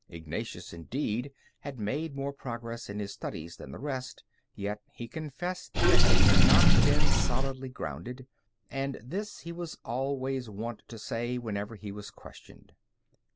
Ignatius, indeed, had made more progress in his studies than the rest, yet he confessed that he had not been solidly grounded. And this he was always wont to say whenever he was questioned.